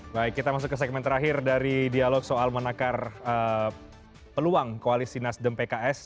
baik kita masuk ke segmen terakhir dari dialog soal menakar peluang koalisi nasdem pks